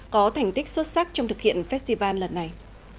có thành tích xuất sắc trong thực hiện festival lần này